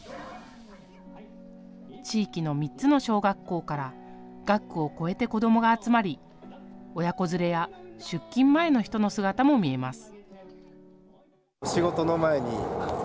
地域の３つの小学校から学区を越えて子どもが集まり親子連れや出勤前の人の姿も見えます。